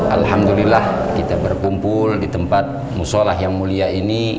alhamdulillah kita berkumpul di tempat musolah yang mulia ini